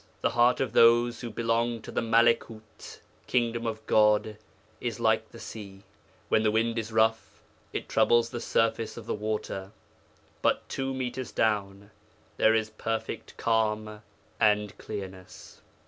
The heart of those who belong to the Malekoot (Kingdom of God) is like the sea: when the wind is rough it troubles the surface of the water, but two metres down there is perfect calm and clearness."'